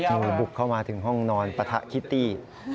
คือบุกเข้ามาถึงห้องนอนปะทะคิตตี้